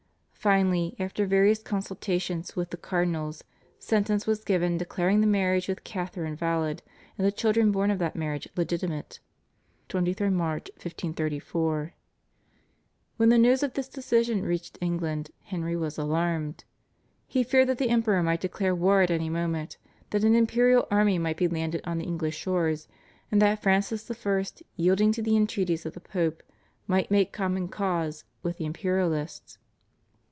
Finally after various consultations with the cardinals, sentence was given declaring the marriage with Catharine valid and the children born of that marriage legitimate (23rd March, 1534). When the news of this decision reached England Henry was alarmed. He feared that the Emperor might declare war at any moment, that an imperial army might be landed on the English shores, and that Francis I. yielding to the entreaties of the Pope might make common cause with the imperialists.